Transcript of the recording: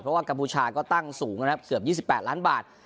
เพราะว่ากัมพูชาก็ตั้งสูงนะครับเกือบ๒๘ล้านบาท